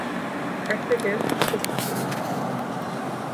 এক সেকেন্ড অপেক্ষা করুন।